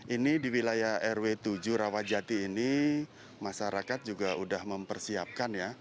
ini di wilayah rw tujuh rawajati ini masyarakat juga sudah mempersiapkan ya